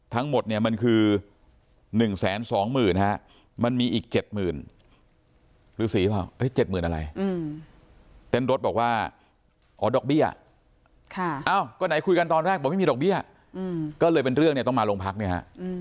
ทั้งหมดเนี่ยมันคือ๑๒๐๐๐๐๐บาทมันมีอีก๗๐๐๐บาทรึสีหรือเปล่า๗๐๐๐อะไร